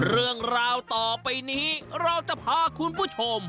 เรื่องราวต่อไปนี้เราจะพาคุณผู้ชม